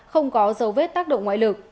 không có dấu vết tác động ngoại lực